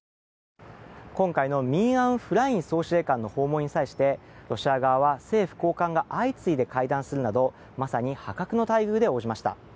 今回のミン・アウン・フライン総司令官の訪問に際してロシア側は政府高官が相次いで会談するなどまさに破格の待遇で応じました。